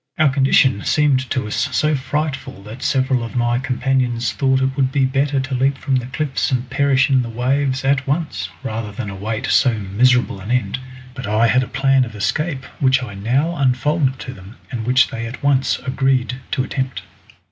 Our condition seemed to us so frightful that several of my companions thought it would be better to leap from the cliffs and perish in the waves at once, rather than await so miserable an end; but I had a plan of escape which I now unfolded to them, and which they at once agreed to attempt.